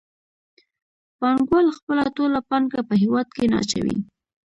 پانګوال خپله ټوله پانګه په هېواد کې نه اچوي